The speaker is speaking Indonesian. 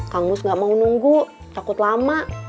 kang mus gak mau nunggu takut lama